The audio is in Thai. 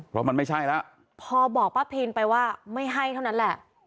เพราะมันไม่ใช่แล้วพอบอกป้าพินไปว่าไม่ให้เท่านั้นแหละ